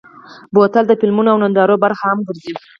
بوتل د فلمونو او نندارو برخه هم ګرځي.